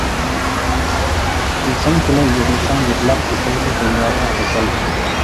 كۈلسەڭ كۈلەي يىغلىساڭ يىغلاپ، ئۆتەيلى دۇنيادا خۇشال بىز.